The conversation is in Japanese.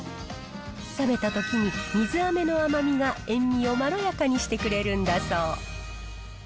冷めたときに水あめの甘みが塩味をまろやかにしてくれるんだそう。